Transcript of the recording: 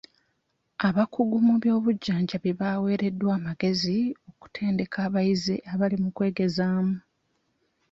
Abakugu mu by'obujjanjabi baweereddwa amagezi okutendeka abayizi abali mu kwegezaamu.